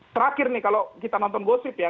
terakhir nih kalau kita nonton gosip ya